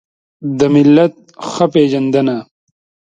د ملت ښه پېژندنه